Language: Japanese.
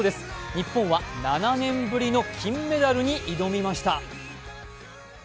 日本は７年ぶりの金メダルに挑みました。